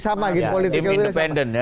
sama gitu politiknya independen ya